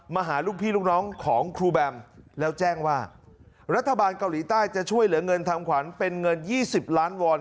หาลูกพี่ลูกน้องของครูแบมแล้วแจ้งว่ารัฐบาลเกาหลีใต้จะช่วยเหลือเงินทำขวัญเป็นเงิน๒๐ล้านวอน